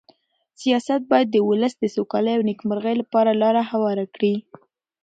سیاست باید د ولس د سوکالۍ او نېکمرغۍ لپاره لاره هواره کړي.